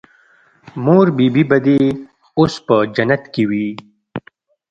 مور بي بي به دې اوس په جنت کښې وي.